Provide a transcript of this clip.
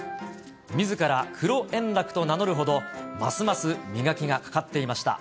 みずから黒円楽と名乗るほど、ますます磨きがかかっていました。